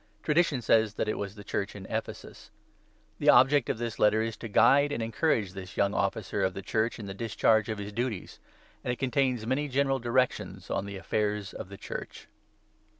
Tradition says that it was the Church in Ephesus. The object of this Letter is to guide and encourage this young Officer of the Church in the discharge of his duties ; and it contains many general directions on the affairs of the Church.